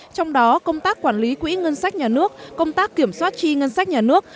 trong đó công tác quản lý quỹ ngân sách nhà nước công tác kiểm soát chi ngân sách nhà nước